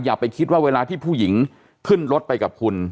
อย่าไปคิดว่าเวลาที่ผู้หญิงขึ้นรถไปกับคุณ